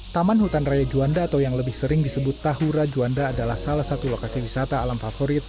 taman hutan raya juanda atau yang lebih sering disebut tahura juanda adalah salah satu lokasi wisata alam favorit